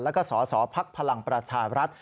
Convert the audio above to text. และก็สศภักดิ์พลังประชาบรัฐ